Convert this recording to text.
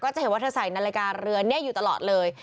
จะเห็นว่าเธอใส่นาฬิกาเรือนี้อยู่ตลอดเลย